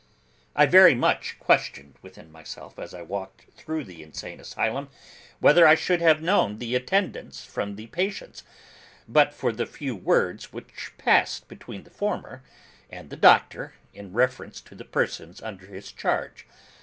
I very much questioned within myself, as I walked through the Insane Asylum, whether I should have known the attendants from the patients, but for the few words which passed between the former, and the Doctor, in reference to the persons under their charge.